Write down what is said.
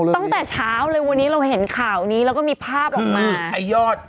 ตั้งแต่เช้าเลยวันนี้เราเห็นข่าวนี้แล้วก็มีภาพออกมา